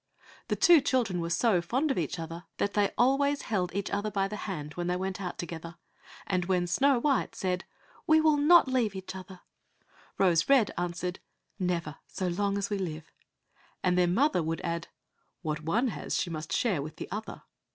The two children were so fond of each another that they always held each other by the hand when they went out together, and when Snow white said, "We will not leave each other," Rose red answered, "Never so long as we live," and their mother would add, "What one has she must share with the other."